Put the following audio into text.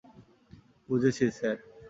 বুঝেছি, স্যার।